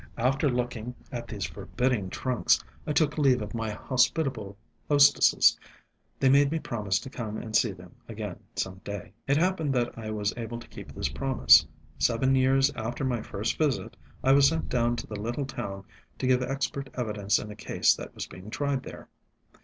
After looking at these forbidding trunks I took leave of my hospitable hostesses. They made me promise to come and see them again some day. It happened that I was able to keep this promise. Seven years after my first visit, I was sent down to the little town to give expert evidence in a case that was being tried there.